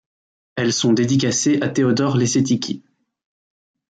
Elles sont dédicacées à Teodor Leszetycki.